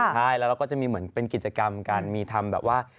ใช่แล้วเราก็จะมีเหมือนเป็นกิจกรรมการมีทำแบบว่า